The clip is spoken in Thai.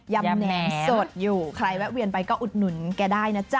ำแหนมสดอยู่ใครแวะเวียนไปก็อุดหนุนแกได้นะจ๊